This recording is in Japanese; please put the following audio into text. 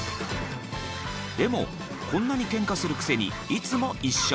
［でもこんなにケンカするくせにいつも一緒］